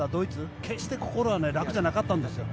決して心は楽じゃなかったんですよ。